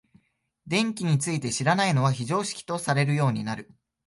電気について知らないのは非常識とされるようになる。